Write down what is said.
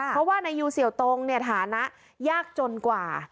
เพราะว่านายยูเสี่ยวตรงเนี่ยฐานะยากจนกว่า